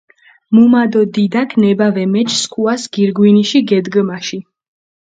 მუმა დო დიდაქ ნება ვამეჩჷ სქუას გირგვინიში გედგჷმაში.